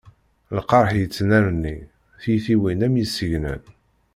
Lqerḥ yettnerni, tiyitiwin am yisegnan.